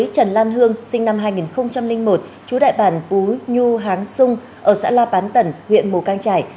trần lan hương sinh năm hai nghìn một chú đại bản bú nhu háng sung ở xã la bán tẩn huyện mù cang trải